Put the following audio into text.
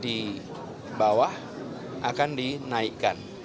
di bawah akan dinaikkan